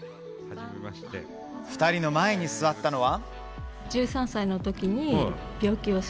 ２人の前に座ったのは。